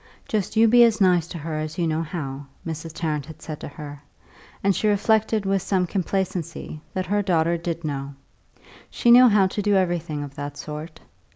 "Just you be as nice to her as you know how," Mrs. Tarrant had said to her; and she reflected with some complacency that her daughter did know she knew how to do everything of that sort.